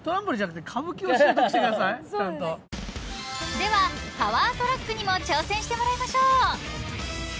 ［ではパワートラックにも挑戦してもらいましょう］